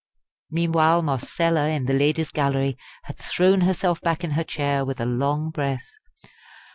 Meanwhile Marcella in the Ladies' Gallery had thrown herself back in her chair with a long breath.